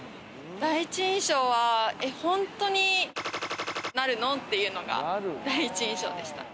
第１印象は本当になるのっていうのが第一印象でした。